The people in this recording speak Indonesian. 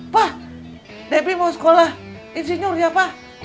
pak debbie mau sekolah insinyur ya pak